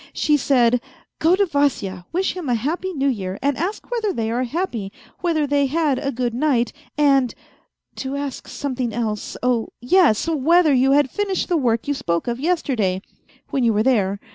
She said :' Go to Vasya, wish him a happy New Year, and ask whether they are happy, whether they had a good night, and ...' to ask something else, oh yes ! whether you had finished the work you spoke of yesterday ... when you were there.